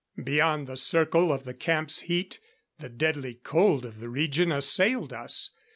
Beyond the circle of the camp's heat, the deadly cold of the region assailed us.